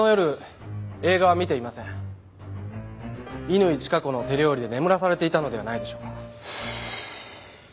乾チカ子の手料理で眠らされていたのではないでしょうか？